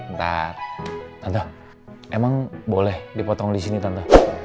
ntar emang boleh dipotong di sini tante